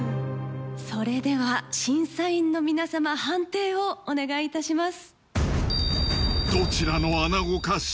それでは審査員の皆さま判定をお願いいたします。